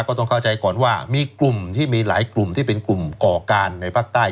ก็ต้องเข้าใจก่อนว่ามีกลุ่มที่มีหลายกลุ่มที่เป็นกลุ่มก่อการในภาคใต้